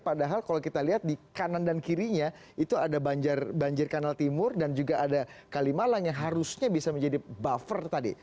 padahal kalau kita lihat di kanan dan kirinya itu ada banjir kanal timur dan juga ada kalimalang yang harusnya bisa menjadi buffer tadi